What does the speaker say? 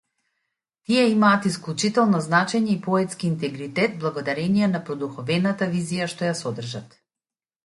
Тие имаат исклучително значење и поетски интегритет благодарение на продуховената визија што ја содржат.